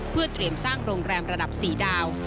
เพื่อเตรียมสร้างโรงแรมระดับ๔ดาว